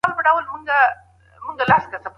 اوبه له یوې غاړې بلې ته ډکې دي.